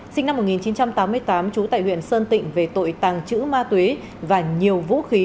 sinh năm một nghìn chín trăm tám mươi tám trú tại huyện sơn tịnh về tội tăng chữ ma tuế và nhiều vũ khí